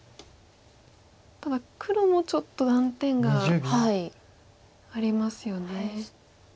ただ黒もちょっと断点がありますよね。